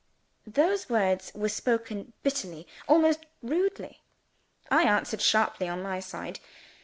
Those words were spoken bitterly almost rudely. I answered sharply on my side.